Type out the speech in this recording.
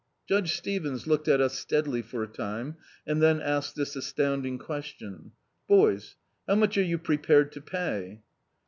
Judge Stevens looked at us steadily for a time, and then asked this astounding question : "Boys, how much are you pre pared to pay?"